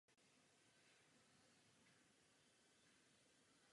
Pravděpodobně byly použity při bojích v severní Itálii.